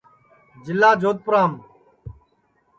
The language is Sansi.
جِلا جودپُورام